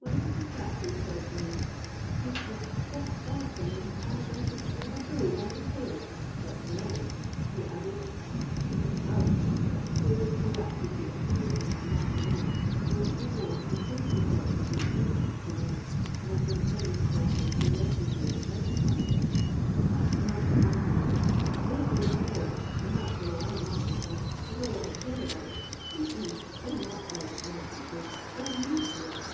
One of the contractors said to nie, " I 'd just trust one of tbem as far as I coulil flinff a bull by the tail; hut (h<ni,*^ he added, with a callousness that proved the laxity of discipline among the men was due more to his neglect of his duty to them than from any special perversity on their parts, ihat*s none of my hiuintss; they do my irorl, and that's all I vant with tfiem, and all I care about. T«n see they're not like other people, they 're reared to it.